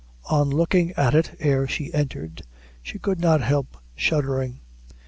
On looking at it ere she entered, she could not help shuddering.